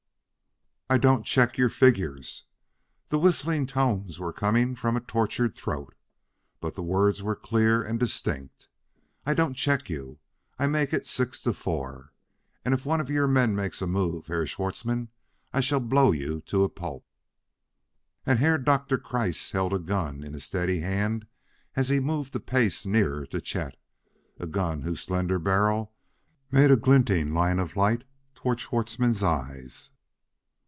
"I don't check your figures." The whistling tones were coming from a tortured throat, but the words were clear and distinct. "I don't check you; I make it six to four and if one of your men makes a move, Herr Schwartzmann, I shall blow you to a pulp!" And Herr Doktor Kreiss held a gun in a steady hand as he moved a pace nearer to Chet a gun whose slender barrel made a glinting line of light toward Schwartzmann's eyes.